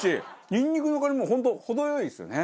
ニンニクの感じも本当、程よいですよね。